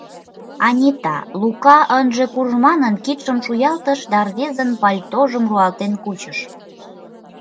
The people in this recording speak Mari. Анита, Лука ынже курж манын, кидшым шуялтыш да рвезын пальтожым руалтен кучыш.